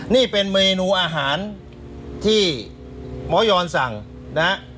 นี่เป็นเมนูอาหารที่หมอยอนสั่งนะฮะ